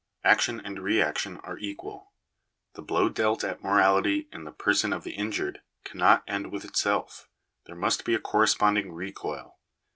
Action and reaction are equal. The blow dealt at morality in the person of the injured cannot end with itself: there must be a corresponding recoil.